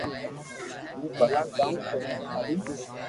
ھون ڀلا ڪاو ڪرو ٿارو